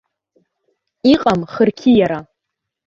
Иҟам хырқьиара!